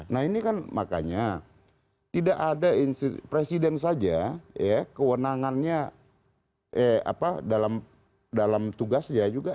nah ini kan makanya tidak ada presiden saja ya kewenangannya dalam tugasnya juga